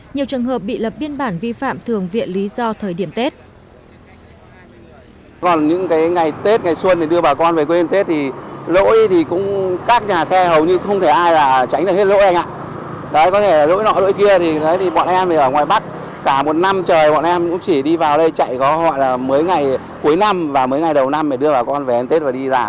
nhiều trường hợp bị lập biên bản vi phạm thường viện lý do thời điểm tết